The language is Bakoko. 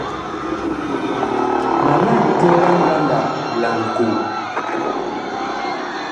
Ma laŋke wa ngandag laŋkoo.